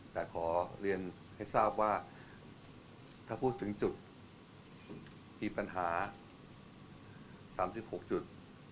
แต่ขอเรียนให้ทราบว่าถ้าพูดถึงจุดมีปัญหา๓๖จุด